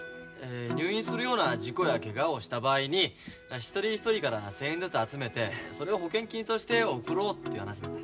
入院するような事故やケガをした場合に一人一人から１，０００円ずつ集めてそれを保険金として贈ろうって話なんだ。